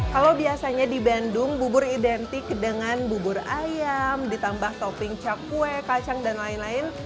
kalau biasanya di bandung bubur identik dengan bubur ayam ditambah topping cakwe kacang dan lain lain